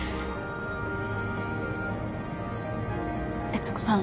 悦子さん。